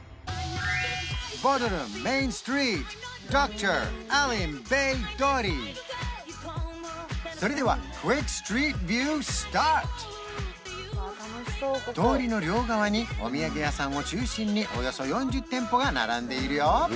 ボドルムメインストリートそれでは通りの両側にお土産屋さんを中心におよそ４０店舗が並んでいるよ